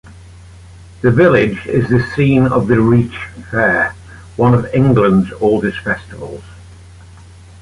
The village is the scene of the Reach Fair, one of England's oldest festivals.